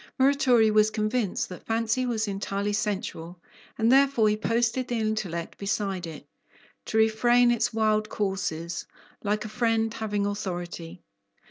Muratori was convinced that fancy was entirely sensual, and therefore he posted the intellect beside it, "to refrain its wild courses, like a friend having authority."